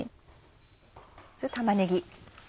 玉ねぎ。